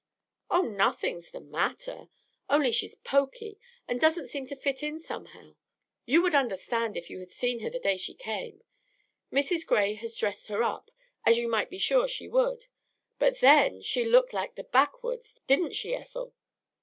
"Oh, nothing's the matter, only she's poky, and doesn't seem to fit in somehow. You would understand if you had seen her the day she came. Mrs. Gray has dressed her up, as you might be sure she would; but then she looked like the backwoods, didn't she, Ethel?"